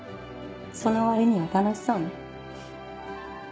その割には楽しそうね。